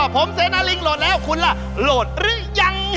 ผมเสนาลิงโหลดแล้วคุณล่ะโหลดหรือยัง